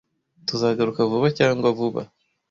Tuzagaruka vuba cyangwa vuba.